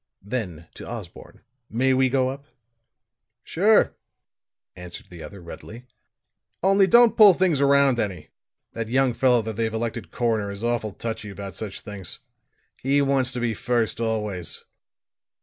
Then to Osborne: "May we go up?" "Sure," answered the other readily. "Only don't pull things around any. That young fellow that they've elected coroner is awful touchy about such things. He wants to be first always."